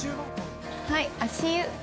はい、足湯。